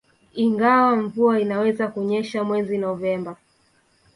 Ingawa mvua inaweza kunyesha mwezi Novemba